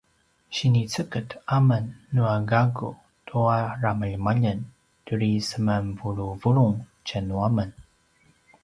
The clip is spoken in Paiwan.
siniceged amen nua gakku tua ramaljemaljeng turi semanvuluvulung tja nu amen